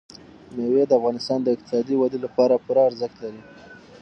مېوې د افغانستان د اقتصادي ودې لپاره پوره ارزښت لري.